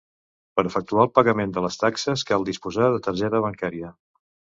Per efectuar el pagament de les taxes cal disposar de targeta bancària.